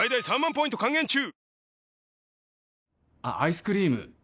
あっアイスクリーム